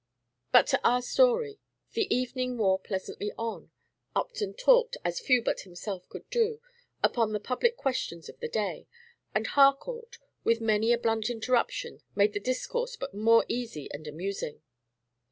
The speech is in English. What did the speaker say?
But to our story: the evening wore pleasantly on; Upton talked, as few but himself could do, upon the public questions of the day; and Harcourt, with many a blunt interruption, made the discourse but more easy and amusing.